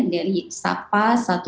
dari sapa satu ratus dua puluh sembilan